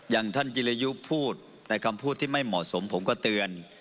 อย่างท่านจิรยุพูดแต่คำพูดที่ไม่เหมาะสมผมก็เตือน